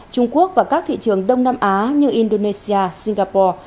trung quốc và các thị trường đông nam á như indonesia singapore